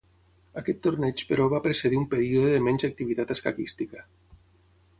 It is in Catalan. Aquest torneig però va precedir un període de menys activitat escaquística.